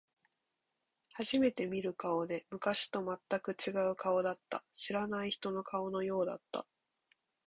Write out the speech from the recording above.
初めて見る顔で、昔と全く違う顔だった。知らない人の顔のようだった。